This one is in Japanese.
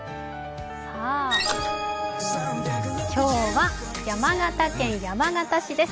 今日は山形県山形市です。